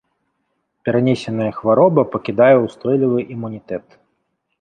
Перанесеная хвароба пакідае ўстойлівы імунітэт.